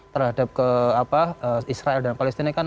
terhadap ke apa israel dan palestina kan